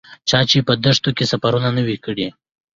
چا چې په دښتونو کې سفر نه وي کړی.